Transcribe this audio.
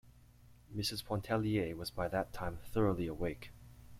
Mrs. Pontellier was by that time thoroughly awake.